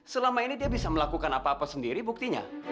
selama ini dia bisa melakukan apa apa sendiri buktinya